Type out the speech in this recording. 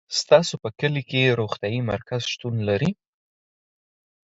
تاسو په کلي کي روغتيايي مرکز شتون لری